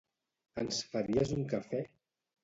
Ens faries un cafè?